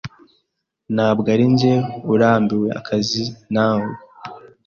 Ntabwo arinjye urambiwe akazi. Na we.